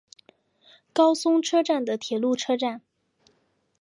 高松车站的铁路车站。